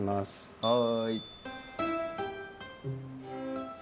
はい。